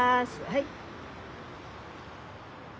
はい。